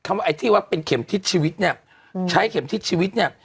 ไอ้ที่ว่าเป็นเข็มทิศชีวิตเนี่ย